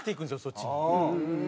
そっちに。